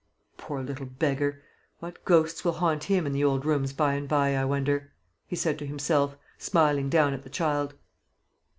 "Poor little beggar! What ghosts will haunt him in the old rooms by and by, I wonder?" he said to himself, smiling down at the child.